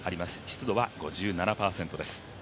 湿度は５７％です。